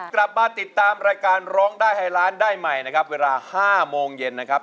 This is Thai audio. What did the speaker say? กลับมาติดตามรายการร้องได้ให้ล้านได้ใหม่นะครับเวลา๕โมงเย็นนะครับ